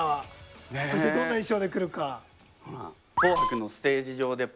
そしてどんな衣装で来るか。